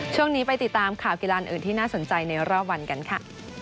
ช่วงนี้ไปติดตามข่าวกีฬานอื่นที่น่าสนใจในรอบวันกันค่ะ